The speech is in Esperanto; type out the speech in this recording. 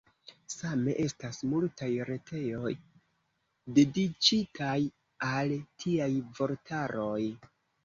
Same estas multaj retejoj dediĉitaj al tiaj vortaroj.